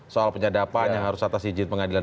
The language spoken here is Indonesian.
soal penyadapan yang harus atas izin pengadilan